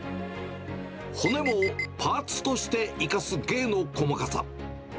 骨もパーツとして生かす芸の細かさ。